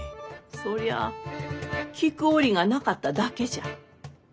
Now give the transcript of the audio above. そりゃあ聞く折がなかっただけじゃ。